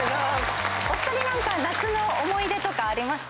お二人何か夏の思い出とかありますか？